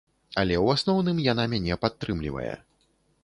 Але ў асноўным яна мяне падтрымлівае.